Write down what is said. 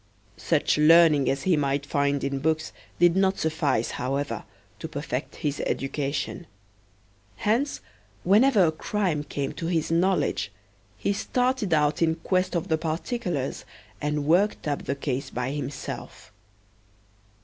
Such learning as he might find in books did not suffice, however, to perfect his education. Hence, whenever a crime came to his knowledge he started out in quest of the particulars and worked up the case by himself.